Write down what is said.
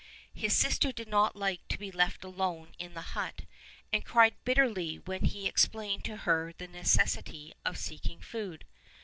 His sister did not like to be left alone in the hut and cried bitterly when he explained to her the necessity of seeking food.